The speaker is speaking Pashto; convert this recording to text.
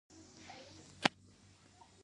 ژبه د ولس د شخصیت ښکارندویي کوي.